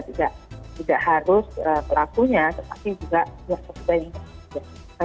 tidak harus pelakunya tetapi juga pihak ketiga yang tersebut